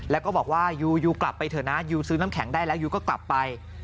แล้วก็บอกว่ายูยูกลับไปเถอะนะยูซื้อน้ำแข็งได้แล้วยูก็กลับไป